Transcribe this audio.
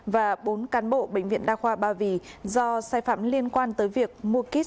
và bốn cán bộ bệnh viện đa khoa ba vì do sai phạm liên quan tới việc mua kit